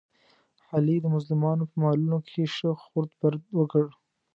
علي د مظلومانو په مالونو کې ښه خورد برد وکړ.